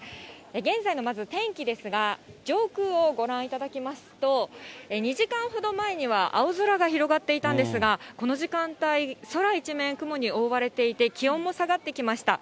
現在のまず天気ですが、上空をご覧いただきますと、２時間ほど前には、青空が広がっていたんですが、この時間帯、空一面、雲に覆われていて、気温も下がってきました。